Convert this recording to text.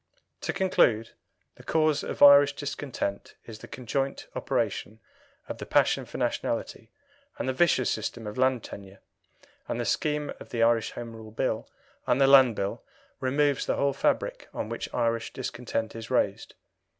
To conclude: the cause of Irish discontent is the conjoint operation of the passion for nationality and the vicious system of land tenure, and the scheme of the Irish Home Rule Bill and the Land Bill removes the whole fabric on which Irish discontent is raised.